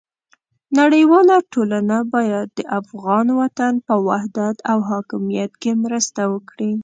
نړیواله ټولنه باید د افغان وطن په وحدت او حاکمیت کې مرسته وکړي.